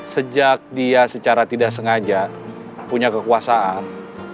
sejak dia secara tidak sengaja punya kekuasaan